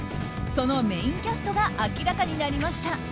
そのメインキャストが明らかになりました。